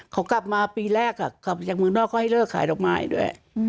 เขากลับมาปีแรกกลับมาจากเมืองนอกเขาให้เลิกขายดอกไม้ด้วย